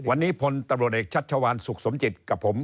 วันนี้พลตำรวจเอกชัชวานสุขสมจิตกับผม